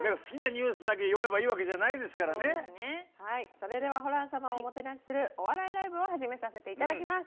それではホラン様をおもてなしするお笑いライブを始めさせて頂きます。